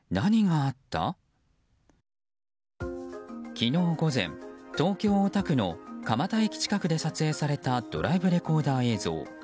昨日午前東京・大田区の蒲田駅近くで撮影されたドライブレコーダー映像。